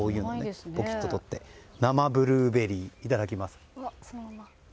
ポキッととって生ブルーベリー、いただきます。